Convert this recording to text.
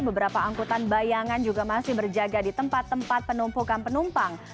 beberapa angkutan bayangan juga masih berjaga di tempat tempat penumpukan penumpang